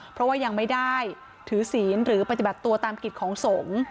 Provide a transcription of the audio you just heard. เพราะว่ายังไม่ได้ถือศีลหรือปฏิบัติตัวตามกิจของสงฆ์